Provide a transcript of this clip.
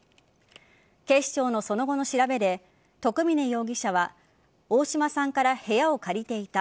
警視庁のその後の調べで徳嶺容疑者は大嶋さんから部屋を借りていた。